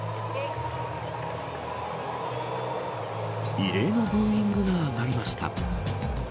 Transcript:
異例のブーイングが上がりました。